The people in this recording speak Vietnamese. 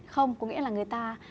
không có nghĩa là người ta